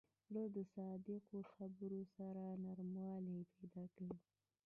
زړه د صادقو خبرو سره نرموالی پیدا کوي.